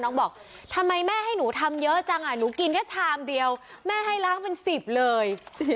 บอกทำไมแม่ให้หนูทำเยอะจังอ่ะหนูกินแค่ชามเดียวแม่ให้ล้างเป็น๑๐เลย